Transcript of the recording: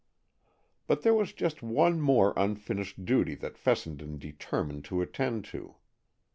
But there was just one more unfinished duty that Fessenden determined to attend to.